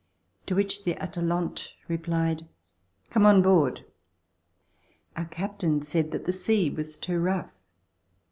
To which the "Atalante" re plied: "Come on board." Our captain said that the sea was too rough.